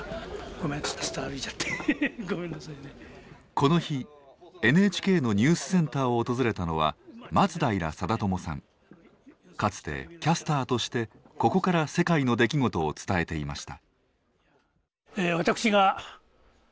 この日ＮＨＫのニュースセンターを訪れたのはかつてキャスターとしてここから世界の出来事を伝えていました。